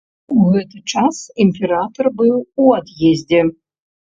У гэты час імператар быў у ад'ездзе.